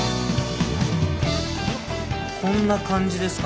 こんな感じですかね？